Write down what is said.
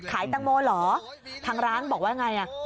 ขายตังโมเหรอทางร้านบอกว่าอย่างไร